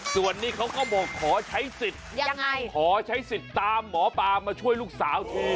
ส่วนนี้เขาก็บอกขอใช้สิทธิ์ขอใช้สิทธิ์ตามหมอปลามาช่วยลูกสาวเธอ